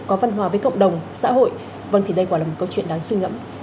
có văn hòa với cộng đồng xã hội vâng thì đây quả là một câu chuyện đáng suy ngẫm